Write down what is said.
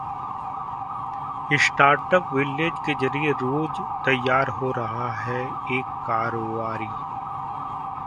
startup village के जरिए रोज तैयार हो रहा है एक कारोबारी